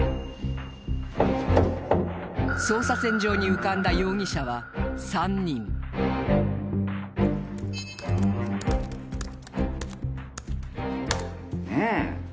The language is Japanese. ［捜査線上に浮かんだ容疑者は３人］ねえ。